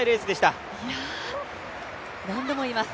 何度も言います。